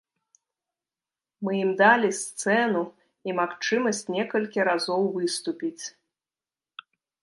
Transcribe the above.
Мы ім далі ім сцэну і магчымасць некалькі разоў выступіць.